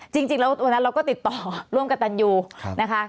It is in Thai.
จริงแล้ววันนั้นเราก็ติดต่อร่วมกับตันยูนะคะ